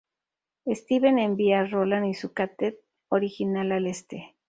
Steven envía a Roland y su ka-tet original al este.